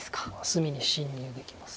隅に侵入できます。